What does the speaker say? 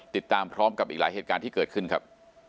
ติดตามพร้อมกับอีกหลายเหตุการณ์ที่เกิดขึ้นครับ